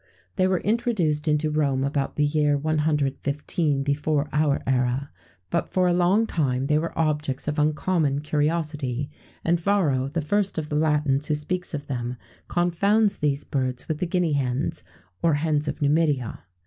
[XVII 106] They were introduced into Rome about the year 115 before our era; but, for a long time, they were objects of uncommon curiosity: and Varro, the first of the Latins who speaks of them, confounds these birds with the guinea hens, or hens of Numidia.